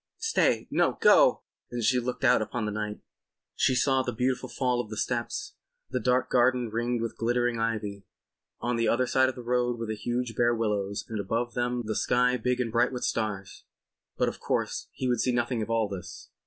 Stay. No—go!" And she looked out upon the night. She saw the beautiful fall of the steps, the dark garden ringed with glittering ivy, on the other side of the road the huge bare willows and above them the sky big and bright with stars. But of course he would see nothing of all this.